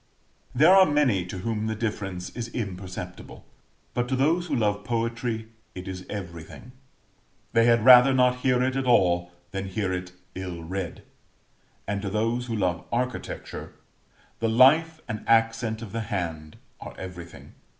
There are many to whom the difference is imperceptible; but to those who love poetry it is everything they had rather not hear it at all, than hear it ill read; and to those who love Architecture, the life and accent of the hand are everything.